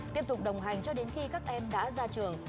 tiếp tục đồng hành cho đến khi các em đã ra trường